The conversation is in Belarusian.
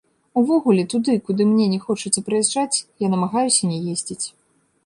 Увогуле, туды, куды мне не хочацца прыязджаць, я намагаюся не ездзіць.